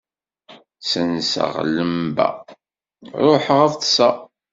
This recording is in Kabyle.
Ssenseɣ llamba, ruḥeɣ ad ṭṭseɣ.